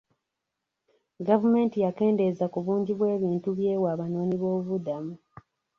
Gavumenti yakendeeza ku bungi bw'ebintu by'ewa abanoonyi b'obubuddamu.